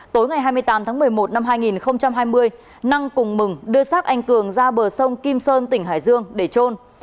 tối ngày hai mươi tám tháng một mươi một năm hai nghìn hai mươi năng cùng mừng đưa xác anh cường ra bờ sông kim sơn tỉnh hải dương để trôn